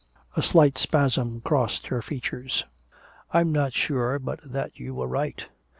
A slight spasm crossed her features. "I'm not sure but that you were right.